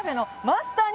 マスター！